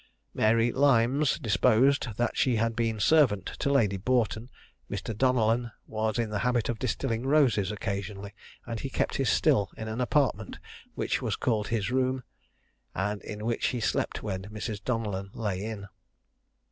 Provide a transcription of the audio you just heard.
Mary Lymnes deposed, that she had been servant to Lady Boughton. Mr. Donellan was in the habit of distilling roses occasionally, and he kept his still in an apartment which was called his room, and in which he slept when Mrs. Donellan lay in.